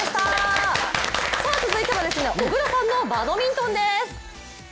続いては小椋さんのバドミントンです。